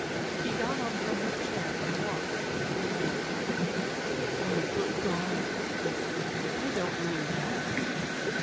He got up from his chair and walked to the window. "Oh, good God!" he said, "I don't mean that."